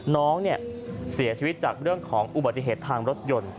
น้องเนี่ยเสียชีวิตจากเรื่องของอุบัติเหตุทางรถยนต์